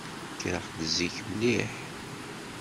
Kkreɣ-d zik mliḥ.